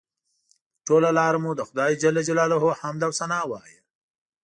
پر ټوله لاره مو د خدای جل جلاله حمد او ثنا ووایه.